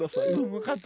わかった。